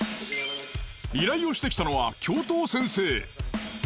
依頼をしてきたのは教頭先生。